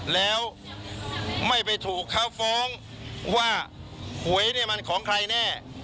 แล้วไม่ไปถูกเขาฟ้องว่าหวยเนี่ยมันของใครแน่